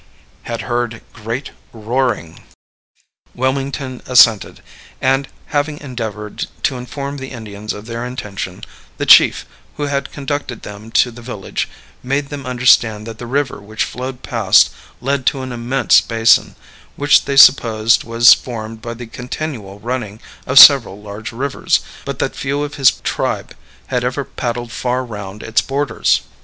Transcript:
Had Heard Great Roaring. Wilmington assented, and having endeavored to inform the Indians of their intention, the chief, who had conducted them to the village, made them understand that the river which flowed past led to an immense basin, which they supposed was formed by the continual running of several large rivers, but that few of his tribe had ever paddled far round its borders.